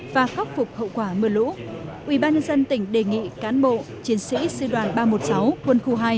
và khắc phục hậu quả mưa lũ ubnd tỉnh đề nghị cán bộ chiến sĩ sư đoàn ba trăm một mươi sáu quân khu hai